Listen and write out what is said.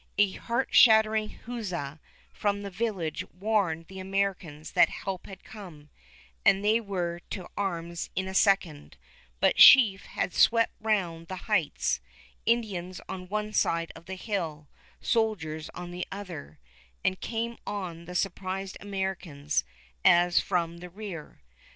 A heart shattering huzza from the village warned the Americans that help had come, and they were to arms in a second; but Sheaffe had swept round the Heights, Indians on one side of the hill, soldiers on the other, and came on the surprised Americans as from the rear.